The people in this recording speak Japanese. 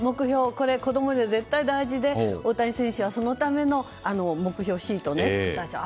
これ、子供には絶対大事で大谷選手はそのための目標シートを作ったんでしょう。